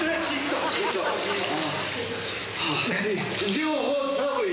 両方寒い！